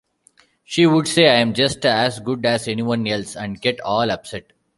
She would say, 'I'm just as good as anyone else' and get all upset.